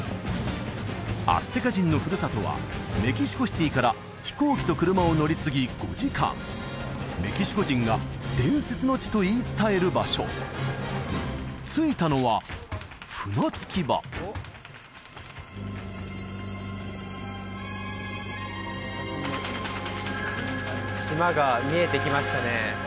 アステカ人のふるさとはメキシコシティから飛行機と車を乗り継ぎ５時間メキシコ人が伝説の地と言い伝える場所着いたのは船着き場島が見えてきましたね